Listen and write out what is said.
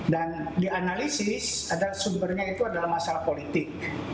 dan dianalisis sumbernya itu adalah masalah politik